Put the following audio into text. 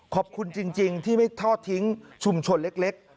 ขอบคุณจริงที่ไม่ทอดทิ้งชุมชนเล็ก